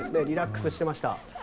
リラックスしていました。